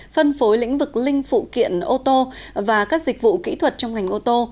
phân phối lĩnh vực linh phụ kiện ô tô và các dịch vụ kỹ thuật trong ngành ô tô